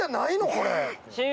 これ。